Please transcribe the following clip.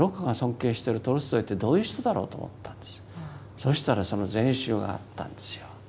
そしたらその全集があったんですよ。